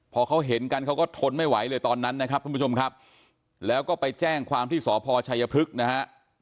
พอเขาเห็นกันเขาก็ทนไม่ไหวเลยตอนนั้นนะครับทุกผู้ชมครับแล้วก็ไปแจ้งความที่สพชัยพฤกษ์นะฮะ